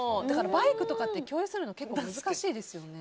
バイクとかって共有するの難しいですよね。